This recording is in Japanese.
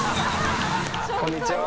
こんにちは。